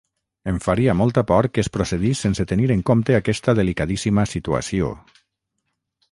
Em faria molta por que es procedís sense tenir en compte aquesta delicadíssima situació.